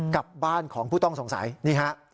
กับบ้านของผู้ต้องสงสัยนี่ฮะ